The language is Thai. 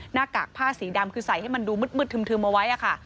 หน้ากากผ้าสีดำคือใส่ให้มันดูมืดทึมเอาไว้ค่ะ